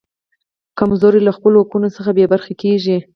کمزورو له خپلو حقونو څخه بې برخې کیږي.